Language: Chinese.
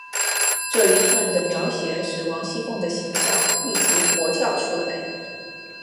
这一串的描写使王熙凤的形象立即活跳出来。